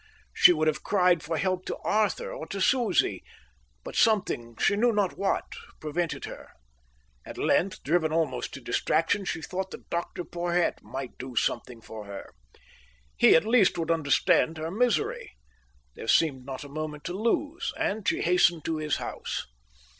She would have cried for help to Arthur or to Susie, but something, she knew not what, prevented her. At length, driven almost to distraction, she thought that Dr Porhoët might do something for her. He, at least, would understand her misery. There seemed not a moment to lose, and she hastened to his house.